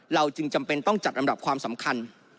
เราจึงจำเป็นต้องจัดอันดับความสำคัญ